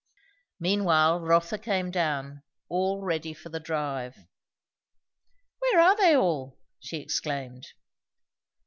Meanwhile Rotha came down, all ready for the drive. "Where are they all?" she exclaimed.